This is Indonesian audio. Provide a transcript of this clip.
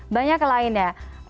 banyak yang lain ya